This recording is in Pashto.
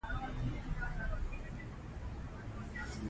که چاپېریال تنګ وي، ماشومان لوبې نه کوي.